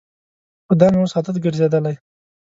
خو دا مې اوس عادت ګرځېدلی.